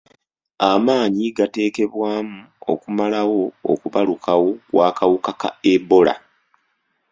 Amaanyi gateekebwamu okumalawo okubalukawo kw'akawuka ka ebola.